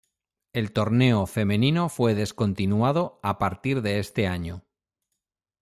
El torneo femenino fue descontinuado a partir de este año.